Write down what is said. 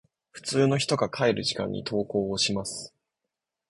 普通の人が帰る時間に登校します。